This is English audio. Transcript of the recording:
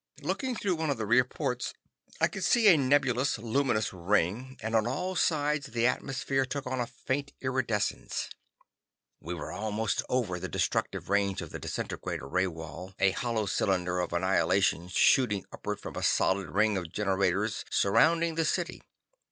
Looking through one of the rear ports, I could see a nebulous, luminous ring, and on all sides the atmosphere took on a faint iridescence. We were almost over the destructive range of the disintegrator ray wall, a hollow cylinder of annihilation shooting upward from a solid ring of generators surrounding the city.